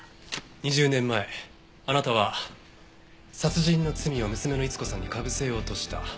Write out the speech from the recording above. ２０年前あなたは殺人の罪を娘の逸子さんに被せようとした。